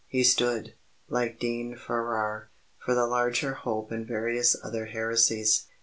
He stood, like Dean Farrar, for the larger hope and various other heresies.